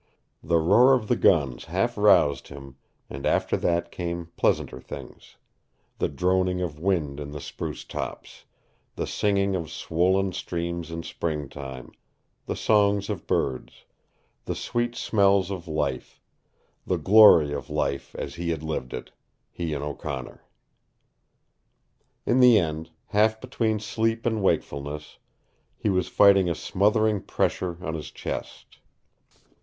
The roar of the guns half roused him, and after that came pleasanter things the droning of wind in the spruce tops, the singing of swollen streams in Springtime, the songs of birds, the sweet smells of life, the glory of life as he had lived it, he and O'Connor. In the end, half between sleep and wakefulness, he was fighting a smothering pressure on his chest.